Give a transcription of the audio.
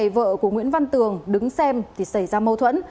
vợ của nguyễn văn tường đứng xem thì xảy ra mâu thuẫn